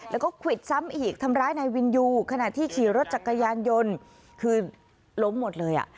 แล้วก็ควิดซ้ำอีกทำร้ายนายวินยูขณะที่ขี่รถจักรยานยนต์คือล้มหมดเลยอ่ะ